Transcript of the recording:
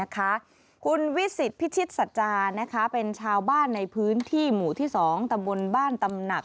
คุณวิสิทธิพิชิตสัจจาเป็นชาวบ้านในพื้นที่หมู่ที่๒ตำบลบ้านตำหนัก